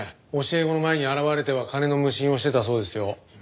教え子の前に現れては金の無心をしてたそうですよ。